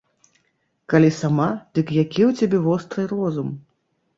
Калі сама, дык які ў цябе востры розум!